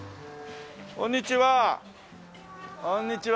こんにちは。